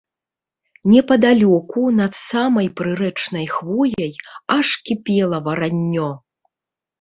Непадалёку, над самай прырэчнай хвояй, аж кіпела вараннё.